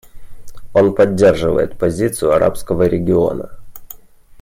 Он поддерживает позицию арабского региона.